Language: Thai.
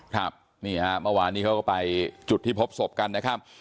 ครับนี่ฮะเมื่อวานนี้เขาก็ไปจุดที่พบศพกันนะครับ